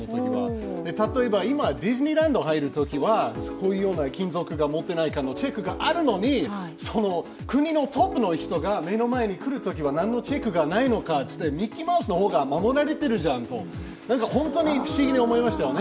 例えば、今ディズニーランド入るときはこういうような金属持ってないかのチェックがあるのに国のトップの人が目の前に来るときには何もチェックはないのか、ミッキーマウスの方が守られてるじゃんとなんか本当に不思議に思いましたよね。